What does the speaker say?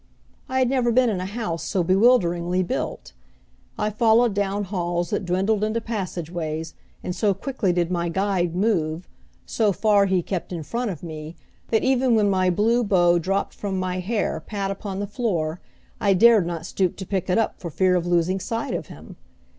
I had never been in a house so bewilderingly built. I followed down halls that dwindled into passageways and so quickly did my guide move, so far he kept in front of me that even when my blue bow dropped from my hair pat upon the floor I dared not stoop to pick it up for fear of losing sight of him.